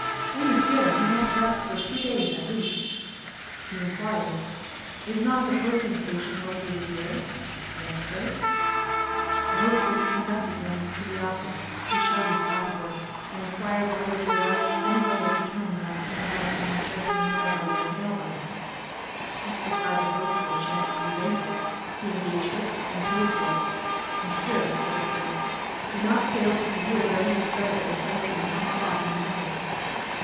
"Oh, Monsieur! he must rest for two days at least." He inquired:— "Is not the posting station located here?" "Yes, sir." The hostess conducted him to the office; he showed his passport, and inquired whether there was any way of returning that same night to M. sur M. by the mail wagon; the seat beside the post boy chanced to be vacant; he engaged it and paid for it. "Monsieur," said the clerk, "do not fail to be here ready to start at precisely one o'clock in the morning."